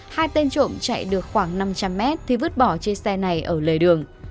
hai tên trộm chạy được khoảng năm trăm linh mét thì vứt bỏ chiếc xe này ở lề đường